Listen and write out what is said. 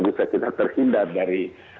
bisa kita terhindar dari